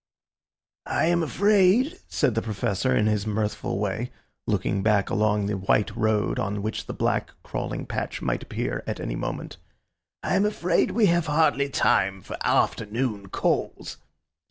"I am afraid," said the Professor in his mirthful way, looking back along the white road on which the black, crawling patch might appear at any moment, "I am afraid we have hardly time for afternoon calls."